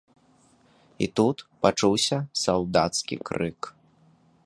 І тут пачуўся салдацкі крык.